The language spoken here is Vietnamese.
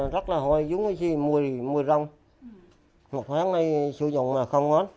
rất là hôi giống như mùi rong một tháng nay sử dụng mà không ngon